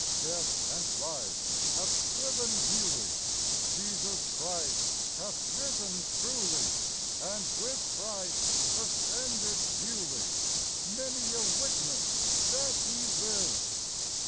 Death and Life have striven newly, Jesus Christ hath risen truly ; And with Christ ascended duly Many a witness that He lives.